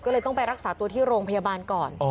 ก็เลยต้องไปรักษาตัวที่โรงพยาบาลก่อน